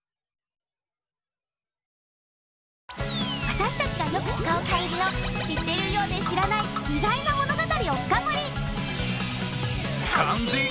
私たちがよく使う漢字の知ってるようで知らない意外な物語を深掘り！